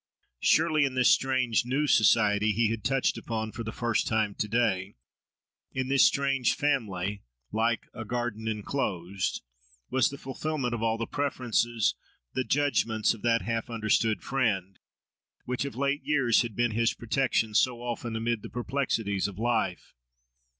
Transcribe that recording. Surely, in this strange new society he had touched upon for the first time to day—in this strange family, like "a garden enclosed"—was the fulfilment of all the preferences, the judgments, of that half understood friend, which of late years had been his protection so often amid the perplexities of life.